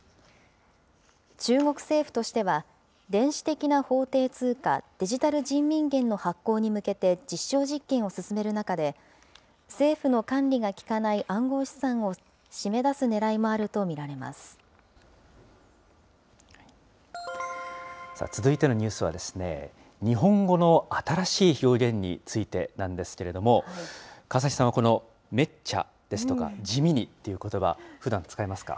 中国政府としては、電子的な法定通貨、デジタル人民元の発行に向けて実証実験を進める中で、政府の管理が利かない暗号資産を締め出すねらいもあると見られま続いてのニュースは、日本語の新しい表現についてなんですけれども、川崎さんは、このめっちゃですとか、じみにということば、ふだん、使いますか。